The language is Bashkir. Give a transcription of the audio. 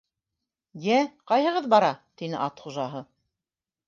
- Йә, ҡайһығыҙ бара? - тине ат хужаһы.